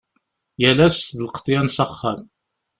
Yal ass d lqeḍyan s axxam.